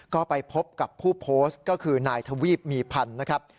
ก็ไปพบกับผู้โพสต์ก็คือนายทวีปมีพันธ์นะครับ